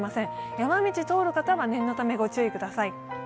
山道を通る方は念のため、ご注意ください。